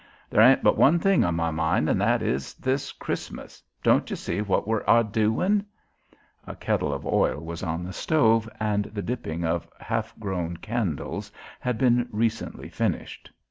There ain't but one thing on my mind an' that is Christmas. Don't you see what we are a' doin'?" A kettle of oil was on the stove and the dipping of half grown candles had been recently finished.